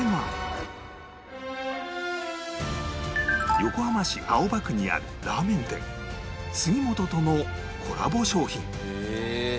横浜市青葉区にあるラーメン店すぎ本とのコラボ商品